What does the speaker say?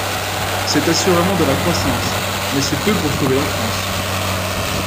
C’est assurément de la croissance, mais c’est peu pour sauver la France.